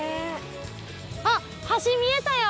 あっ橋見えたよ。